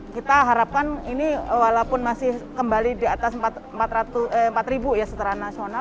kita harapkan ini walaupun masih kembali di atas empat ribu ya setara nasional